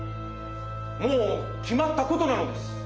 もうきまったことなのです！